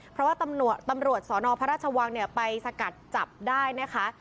เพราะว่าตำรวจสนพระราชวังไปสกัดจับได้นะคะ